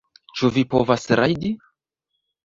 Ĉu vi povas rajdi?